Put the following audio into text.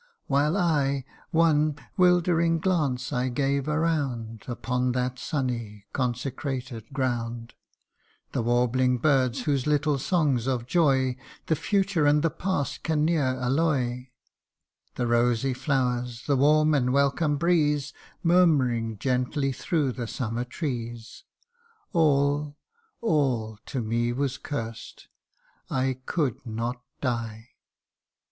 While I one 'wildering glance I gave around Upon that sunny, consecrated ground ; The warbling birds, whose little songs of joy The future and the past can ne'er alloy ; The rosy flowers, the warm and welcome breeze Murmuring gently through the summer trees, All all to me was cursed I could not die